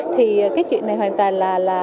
thì cái chuyện này hoàn toàn là